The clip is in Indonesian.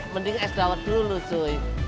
mending es dawet dulu cuy